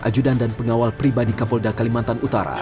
ajudan dan pengawal pribadi kapolda kalimantan utara